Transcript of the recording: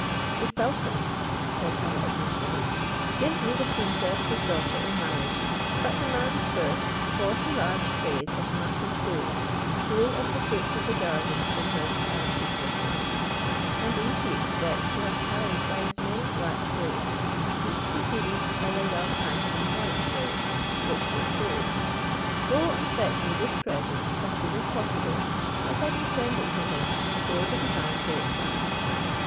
"The sultan," said Alla ad Deen to him, "gives me the princess his daughter in marriage; but demands first forty large trays of massive gold, full of the fruits of the garden from whence I took this lamp; and these he expects to have carried by as many black slaves, each preceded by a young handsome white slave, richly clothed. Go, and fetch me this present as soon as possible, that I may send it to him before the divan breaks up."